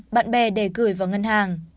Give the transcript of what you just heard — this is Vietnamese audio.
bạn bè đề gửi vào ngân hàng